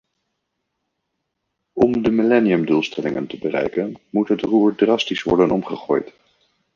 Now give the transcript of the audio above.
Om de millenniumdoelstellingen te bereiken moet het roer drastisch worden omgegooid.